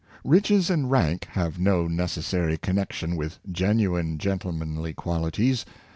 Riches and rank have no necessary connection with genuine gentlemanly qualities.